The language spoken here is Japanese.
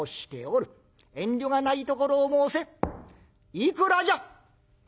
いくらじゃ？」。